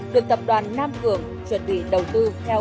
được tập đoàn nam cường chuẩn bị đầu tư theo